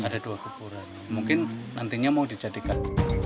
ada dua kuburan mungkin nantinya mau dijadikan